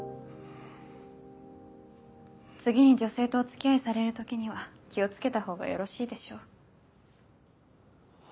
次に女性とお付き合いされる時には気を付けたほうがよろしいでしょう。